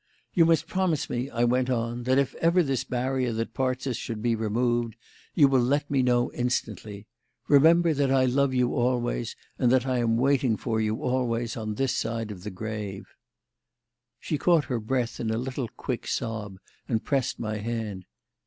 "You must promise me," I went on, "that if ever this barrier that parts us should be removed, you will let me know instantly. Remember that I love you always, and that I am waiting for you always on this side of the grave." She caught her breath in a little quick sob, and pressed my hand.